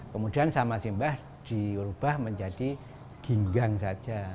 kemudian sama simbah diubah menjadi ginggang saja